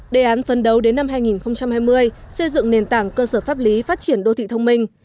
đề án phân đấu đến năm hai nghìn hai mươi xây dựng nền tảng cơ sở pháp lý phát triển đô thị thông minh